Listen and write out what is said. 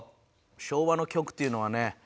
昭和の曲っていうのはね